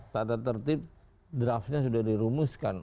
tata tertib draftnya sudah dirumuskan